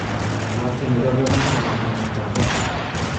"Gładkie mury ogrodowe na lewo i na prawo?"